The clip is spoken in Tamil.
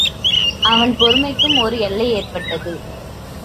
அவன் பொறுமைக்கும் ஒர் எல்லை ஏற்பட்டது.